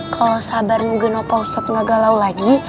kalau sabar nungguin pak ustadz gak galau lagi